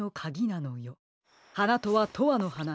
「はな」とは「とわのはな」